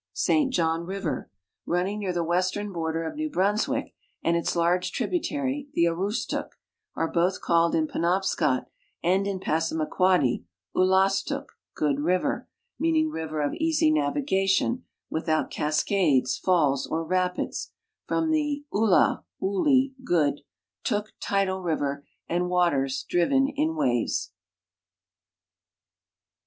St John river, running near the western border of New Brunswick and its large tributary, the Aroostook, are both called in Penobscot and in I'assamaquodd}', Ulastiik, "good river," meaning river of easy navigation, without cascades, falls, or rapids; from ula, wiili, good; tuk, tidal river and waters driven in waves.